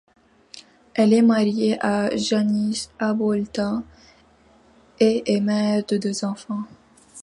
Elle est mariée à Jānis Āboltiņš et est mère de deux enfants.